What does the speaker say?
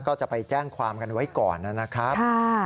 ก็จะไปแจ้งความกันไว้ก่อนนะครับ